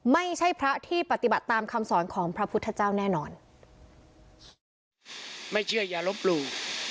ไม่ใช่พระที่ปฏิบัติตามคำสอนของพระพุทธเจ้าแน่นอนไม่เชื่ออย่าลบหลู่